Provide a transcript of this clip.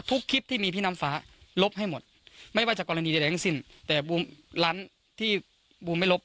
ทุกคลิปที่มีพี่น้ำฟ้าลบให้หมดไม่ว่าจะกรณีแต่ล้านที่บูมไม่ลบ